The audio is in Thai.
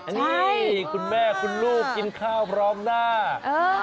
นี่คุณแม่คุณลูกกินข้าวพร้อมหน้า